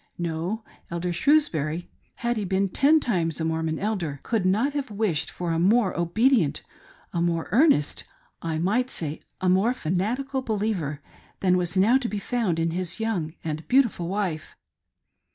No : Elder Shrewsbury — had he been ten times a Mormon Elder — could not have wished for a more obe dient, a more earnest, I might say — a more fanatical believer than was now to be found in his young and beautiful wife.